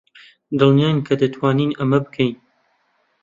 دڵنیان کە دەتوانین ئەمە بکەین؟